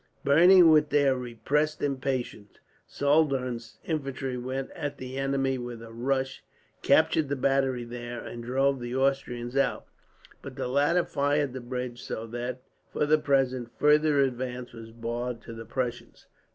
Burning with their repressed impatience, Saldern's infantry went at the enemy with a rush, captured the battery there, and drove the Austrians out; but the latter fired the bridge so that, for the present, farther advance was barred to the Prussians.